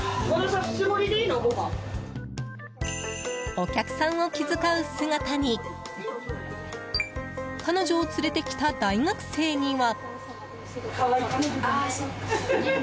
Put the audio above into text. お客さんを気遣う姿に彼女を連れてきた大学生には。